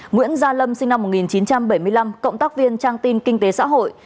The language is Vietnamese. nguyễn gia lâm sinh năm một nghìn chín trăm bảy mươi năm cộng tác viên trang tin kinh tế xã hội